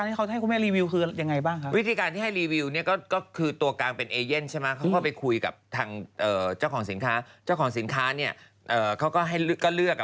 อันดับแรกเนี่ยที่คุณแม่จะรับงานเนี่ยต้องทำยังไงก่อนคะ